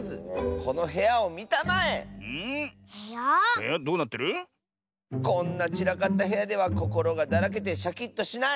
こんなちらかったへやではこころがだらけてシャキッとしない！